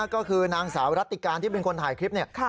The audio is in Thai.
ก็คือนางสาวรัติการที่เป็นคนถ่ายคลิปเนี่ย